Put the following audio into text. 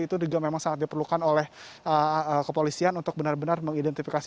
itu juga memang sangat diperlukan oleh kepolisian untuk benar benar mengidentifikasi